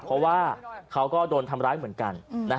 เพราะว่าเขาก็โดนทำร้ายเหมือนกัน